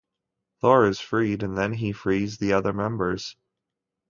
Thor is freed, and he then frees the other members.